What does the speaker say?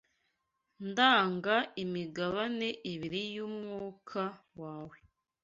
ndaga imigabane ibiri y’umwuka wawe.